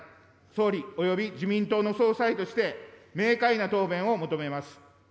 総理および自民党の総裁として明快な答弁を求めます。